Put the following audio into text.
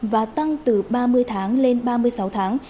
và tăng từ ba mươi tháng lên ba mươi sáu tháng